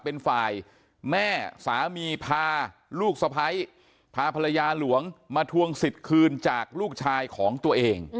เป็นฝ่ายแม่สามีพาลูกสะพ้ายพาภรรยาหลวงมาทวงสิทธิ์คืนจากลูกชายของตัวเอง